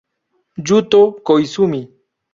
Yuto Koizumi